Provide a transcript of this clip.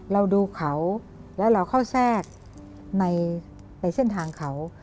เราดูเขาแล้วเราเข้าแทรกในเส้นทางเขา